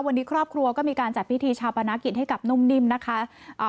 วันนี้ครอบครัวก็มีการจัดพิธีชาปนกิจให้กับนุ่มนิ่มนะคะอ่า